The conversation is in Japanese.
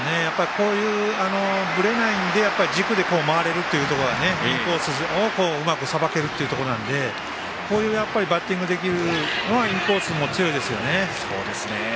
こういう、ぶれないので軸で回れるというところがインコースをうまくさばけるっていうのは、こういうバッティングできるのはインコースも強いですよね。